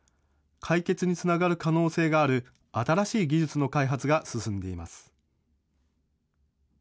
解決につながる可能性がある新しい技術の開発が進んでいます。